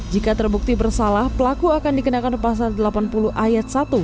jika terbukti bersalah pelaku akan dikenakan pasal delapan puluh ayat satu